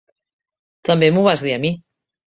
També m'ho vas dir a mi.